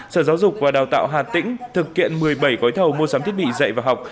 sở giáo dục và đào tạo hà tĩnh thực hiện một mươi bảy gói thầu mua sắm thiết bị dạy và học